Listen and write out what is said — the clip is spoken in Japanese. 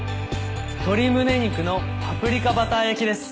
鶏胸肉のパプリカバター焼きです。